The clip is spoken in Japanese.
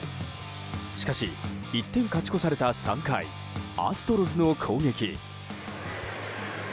しかし、１点勝ち越された３回アストロズの攻撃。